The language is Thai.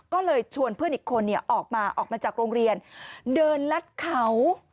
ก็เลยชวนเพื่อนอีกคนออกมาออกมาจากโรงเรียนเดินลัดเขา